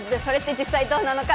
実際どうなの課』